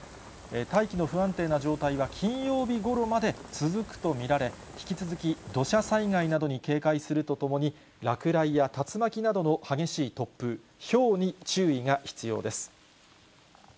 大気の不安定な状態は金曜日ごろまで続くと見られ、引き続き、土砂災害などに警戒するとともに、落雷や竜巻などの激しい突風、ひょうに注意が必要です。